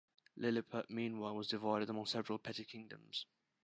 Lilliput, meanwhile, was divided among several petty kingdoms.